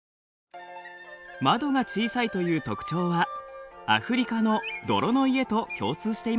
窓が小さいという特徴はアフリカの泥の家と共通していますね。